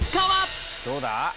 どうだ？